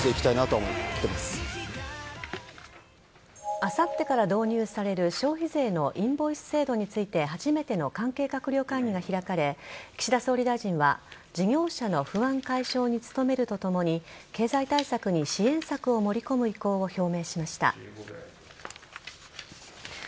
あさってから導入される消費税のインボイス制度について初めての関係閣僚会議が開かれ岸田総理大臣は事業者の不安解消に努めるとともに経済対策に支援策を盛り込む意向を表明しました。